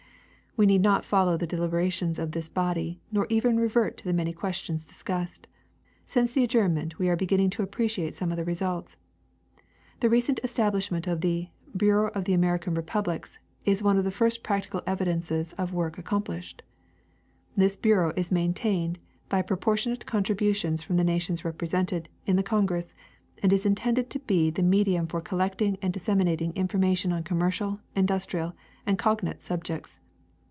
We need not follow the delibera tions of this body, nor even revert to the many questions dis cussed. Since the adjournment we are beginning to appreciate some of the results. The recent establishment of the " Bureau of the American Republics " is one of the first practical evidences of work accomplished. This bureau is maintained by propor tionate contributions from the nations represented in the con gress, and is intended to be the medium for collecting and dis seminating information on commercial, industrial, and cognate subjects.